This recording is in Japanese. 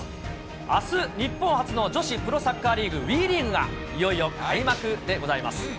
あす、日本初の女子プロサッカーリーグ、ＷＥリーグがいよいよ開幕でございます。